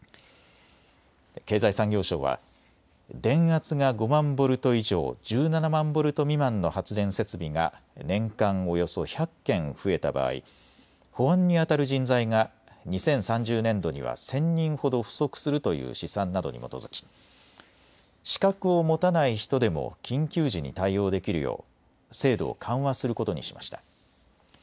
経済産業省は電圧が５万ボルト以上１７万ボルト未満の発電設備が年間およそ１００件増えた場合、保安にあたる人材が２０３０年度には１０００人ほど不足するという試算などに基づき資格を持たない人でも緊急時に対応できるよう制度を緩和することにしました。